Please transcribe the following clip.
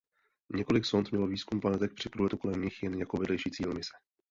Několik sond mělo výzkum planetek při průletu kolem nich jen jako vedlejší cíl mise.